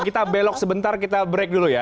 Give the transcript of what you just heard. kita belok sebentar kita break dulu ya